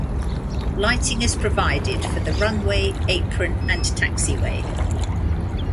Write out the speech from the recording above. Lighting is provided for the runway, apron, and taxiway.